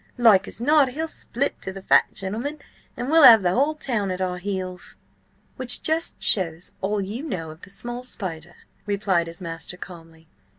Like as not, he'll split to the fat gentleman, and we'll have the whole town at our heels." "Which just shows all you know of the small spider," replied his master calmly.